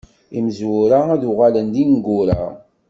Imezwura ad uɣalen d ineggura.